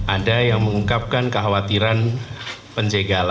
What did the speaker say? ada yang mengungkapkan kekhawatiran penjagalan